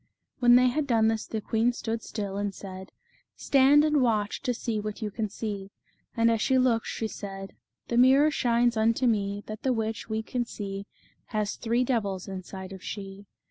When they had done this the queen stood still, and said :" Stand and ivatch to see what you can see." And as she looked she said :" The mirror shines unto me That the witch we can see Has three devils inside of she."